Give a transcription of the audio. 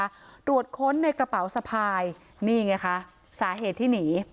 ตรวจค้นในกระเป๋าสะพายนี่ไงคะสาเหตุที่หนี